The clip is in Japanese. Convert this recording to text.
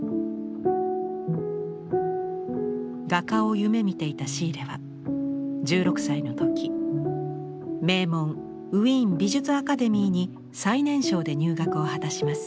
画家を夢みていたシーレは１６歳の時名門ウィーン美術アカデミーに最年少で入学を果たします。